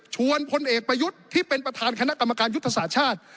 พลเอกประยุทธ์ที่เป็นประธานคณะกรรมการยุทธศาสตร์ชาติ